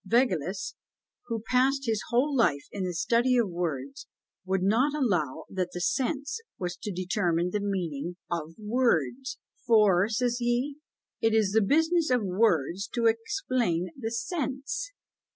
Vaugelas, who passed his whole life in the study of words, would not allow that the sense was to determine the meaning of words; for, says he, it is the business of words to explain the sense.